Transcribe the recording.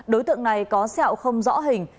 đối tượng này có xeo không rõ hình